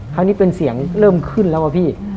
ครั้งนี้เป็นเสียงเริ่มขึ้นแล้วอะพี่